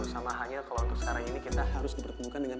sama hanya kalau untuk sekarang ini kita harus dipertemukan dengan